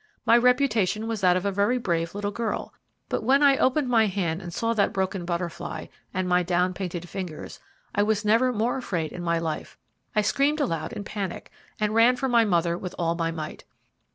My reputation was that of a very brave little girl; but when I opened my hand and saw that broken butterfly, and my down painted fingers, I was never more afraid in my life. I screamed aloud in panic, and ran for my mother with all my might.